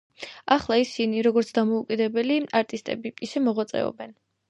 ახლა ისინი, როგორც დამოუკიდებელი არტისტები ისე მოღვაწეობენ.